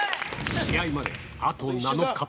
試合まであと７日。